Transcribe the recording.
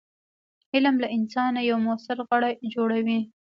علم له انسانه یو موثر غړی جوړوي.